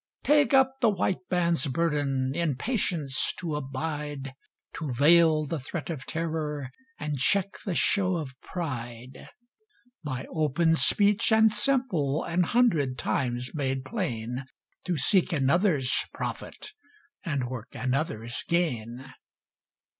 Take up the White Man's burden In patience to abide, To veil the threat of terror And check the show of pride; By open speech and simple, An hundred times made plain, To seek another's profit, And work another's gain.